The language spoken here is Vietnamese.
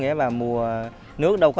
kiểu đối rook